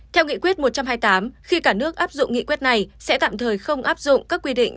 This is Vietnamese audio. theo nghị quyết một trăm hai mươi tám khi cả nước áp dụng nghị quyết này sẽ tạm thời không áp dụng các quy định